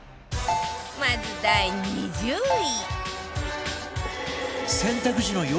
まず第２０位